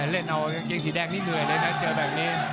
เล่นเอากางเกงสีแดงนี่เหนื่อยเลยนะเจอแบบนี้